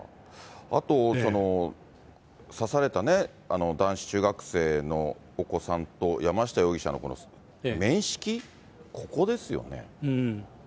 あと、刺された男子中学生のお子さんと、山下容疑者の面識、ここですよね。